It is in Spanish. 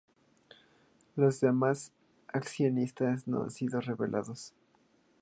Los demás accionistas no han sido revelados.